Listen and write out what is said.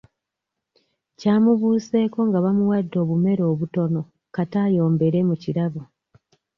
Kyamubuseeko nga bamuwadde obumere obutono kata ayombere mu kirabo.